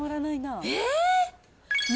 え？